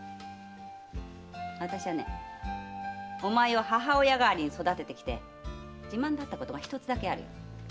あたしゃねお前を母親代わりに育ててきて自慢だったことが一つだけある。